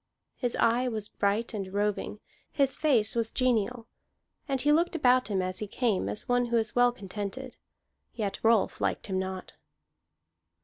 His eye was bright and roving; his face was genial, and he looked about him as he came as one who is well contented. Yet Rolf liked him not.